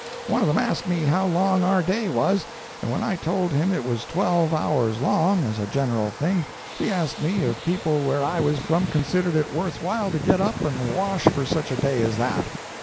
One of them asked me how long our day was; and when I told him it was twelve hours long, as a general thing, he asked me if people where I was from considered it worth while to get up and wash for such a day as that.